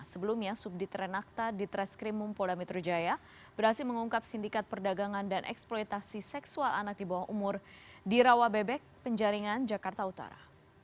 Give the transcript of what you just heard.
sebelumnya subdit renakta di treskrimum polda metro jaya berhasil mengungkap sindikat perdagangan dan eksploitasi seksual anak di bawah umur di rawa bebek penjaringan jakarta utara